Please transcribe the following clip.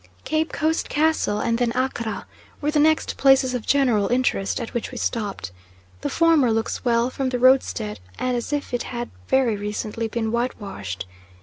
Cape Coast Castle and then Accra were the next places of general interest at which we stopped. The former looks well from the roadstead, and as if it had very recently been white washed.